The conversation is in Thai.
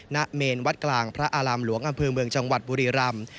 เมนวัดกลางพระอารามหลวงอำเภอเมืองจังหวัดบุรีรำ